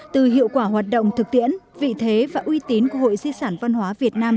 từ hiệu quả hoạt động thực tiễn vị thế và uy tín của hội di sản văn hóa việt nam